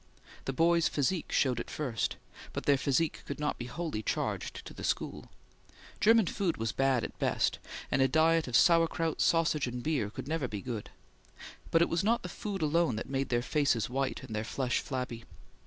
The boys' physique showed it first, but their physique could not be wholly charged to the school. German food was bad at best, and a diet of sauerkraut, sausage, and beer could never be good; but it was not the food alone that made their faces white and their flesh flabby.